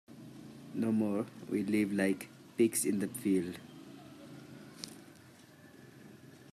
No more we live like pigs in the field.